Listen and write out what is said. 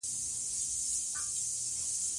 له ماتې مه ویرېږئ.